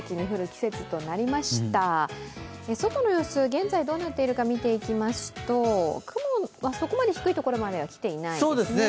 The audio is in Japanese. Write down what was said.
外の様子、現在どうなっているか見ていきますと雲はそこまで低いところまではきてないですね。